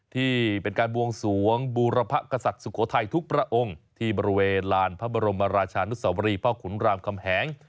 ที่เป็นการบวงสวงบูรพกษัตริย์สุโขทัยทุกพระองค์ที่บริเวณลานพระบรมราชานุสวรีพ่อขุนรามคำแหง